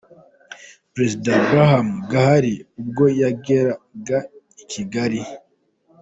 Perezida Brahim Ghali ubwo yageraga i Kigali.